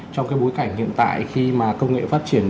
trong cái bối cảnh hiện tại khi mà công nghệ phát triển